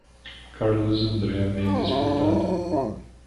Carlos André Mendes Furtado